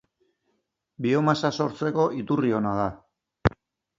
Biomasa sortzeko iturri ona da.